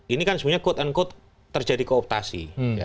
ini kan sebenarnya quote unquote terjadi kooptasi